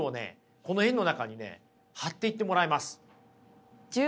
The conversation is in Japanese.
この円の中にね貼っていってもらいます。